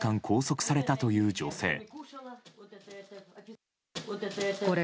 拘束されたという女性。